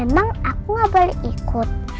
emang aku gak boleh ikut